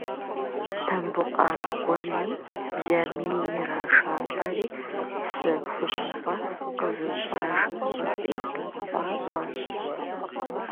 Тамбукъан гуэлым бжьамий ирашалӏэри псы хущхъуэ къызыщӏэж щӏыпӏитӏ хуащӏащ.